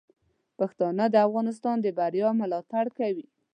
پښتانه د افغانستان د بریا ملاتړ کوي.